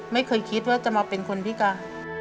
ไม่เคยคิดว่าจะมาเป็นคนพิการ